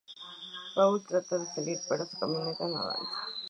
Paul trata de salir, pero su camioneta no avanza.